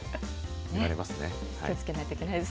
気をつけないといけないです